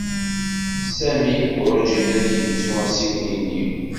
Sami werǧin ad yettu assiwel-nni.